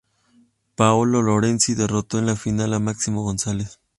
Paolo Lorenzi derrotó en la final a Máximo González.